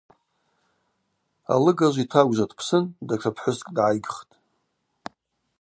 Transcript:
Алыгажв йтагвжва дпсын, датша пхӏвыскӏ дгӏайгхтӏ.